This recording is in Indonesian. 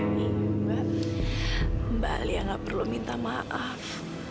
mbak mbak alia gak perlu minta maaf